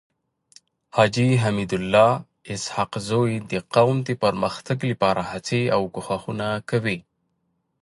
حاجي حميدالله اسحق زی د قوم د پرمختګ لپاره هڅي او کوښښونه کوي.